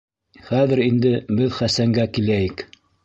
Хәҙер инде беҙ Хәсәнгә киләйек.